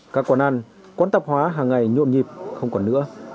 các quán ăn quán tạp hóa hàng ngày nhộn nhịp không còn nữa